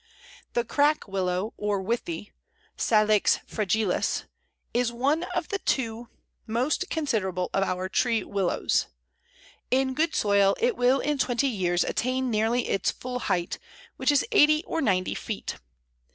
The Crack Willow or Withy (Salix fragilis) is one of the two most considerable of our tree Willows. In good soil it will in twenty years attain nearly its full height, which is eighty or ninety feet.